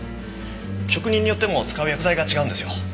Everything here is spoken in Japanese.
職人によっても使う薬剤が違うんですよ。